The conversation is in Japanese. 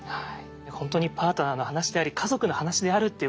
本当にパートナーの話であり家族の話であるっていうことがね